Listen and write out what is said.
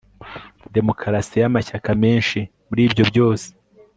demokarasi y'amashyaka menshi. muri ibyo byose